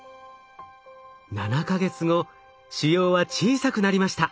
７か月後腫瘍は小さくなりました。